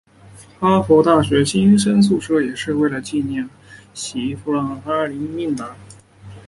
哈佛大学的新生宿舍也是为了纪念伊西多和艾达而命名。